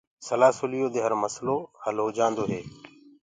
سلآ سُليو دي هر مسلو هل هوجآندو هي۔